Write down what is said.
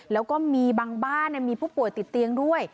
แล้วก็มีบางบ้านมีผู้ป่วยติดเตียงด้วย